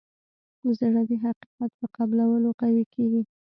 زړه د حقیقت په قبلولو قوي کېږي.